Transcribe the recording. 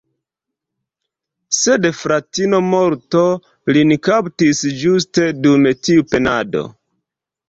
Sed "fratino morto" lin kaptis ĝuste dum tiu penado.